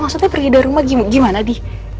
maksudnya pergi dari rumah gimana di